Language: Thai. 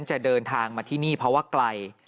จะเดินทางมาที่นี่เพราะว่าไกล